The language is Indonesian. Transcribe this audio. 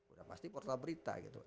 udah pasti portal berita gitu